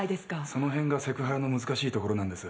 その辺がセクハラの難しいところなんです。